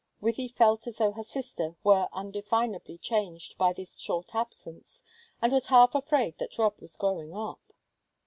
Wythie felt as though her sister were undefinably changed by this short absence, and was half afraid that Rob was growing up.